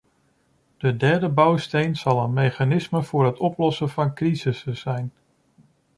De derde bouwsteen zal een mechanisme voor het oplossen van crises zijn.